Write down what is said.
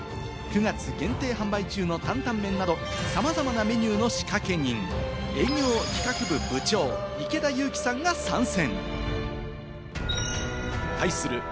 ９月限定販売中の担々麺など、さまざまなメニューの仕掛け人、営業企画部長・池田勇気さんが参戦。